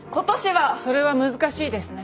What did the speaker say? それは難しいですね。